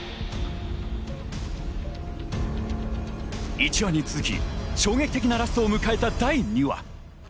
１話に続き、衝撃的なラストを迎えた第２話。